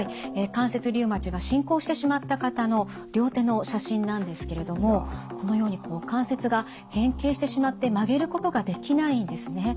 関節リウマチが進行してしまった方の両手の写真なんですけれどもこのようにこう関節が変形してしまって曲げることができないんですね。